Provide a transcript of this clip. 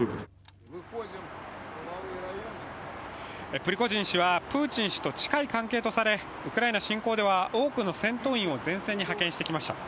プリゴジン氏は、プーチン氏と近い関係とされ、ウクライナ侵攻では多くの戦闘員を前線に派遣してきました。